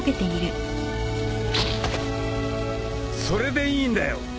それでいいんだよ。